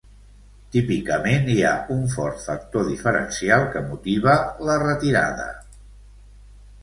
Típicament, hi ha un fort factor diferencial que motiva la retirada.